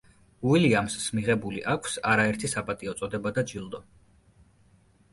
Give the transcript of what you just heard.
უილიამსს მიღებული აქვს არაერთი საპატიო წოდება და ჯილდო.